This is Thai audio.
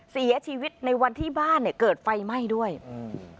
เสียชีวิตในวันที่บ้านเนี้ยเกิดไฟไหม้ด้วยอืม